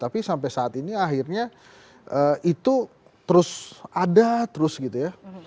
tapi sampai saat ini akhirnya itu terus ada terus gitu ya